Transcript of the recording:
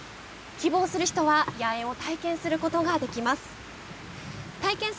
希望する人は野猿を体験することができます。